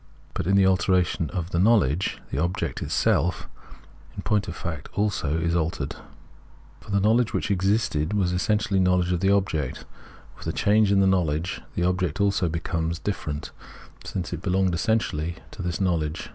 But in the alteration of the knowledge, the object itself also, in point of fact, is altered ; for the knowledge which existed was essentially a knowledge of the object ; with change in the knowledge, the object also becomes 86 Phenomenology of Mind different, since it belonged essentially to this know ledge.